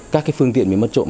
các phương tiện bị mất trộm